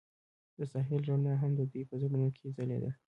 د ساحل رڼا هم د دوی په زړونو کې ځلېده.